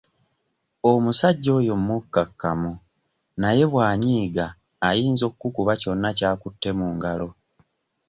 Omusajja oyo mukkakkamu naye bw'anyiiga ayinza okukuba kyonna ky'akutte mu ngalo.